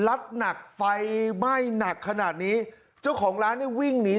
หนักไฟไหม้หนักขนาดนี้เจ้าของร้านเนี่ยวิ่งหนี